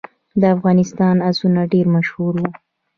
د افغانستان آسونه ډیر مشهور وو